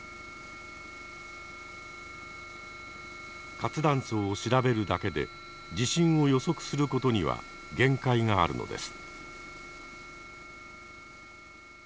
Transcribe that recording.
活断層を調べるだけで地震を予測する事には限界があるのです。